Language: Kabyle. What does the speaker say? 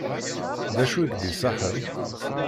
D acu i k-d-iṣaḥen?